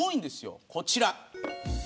こちら。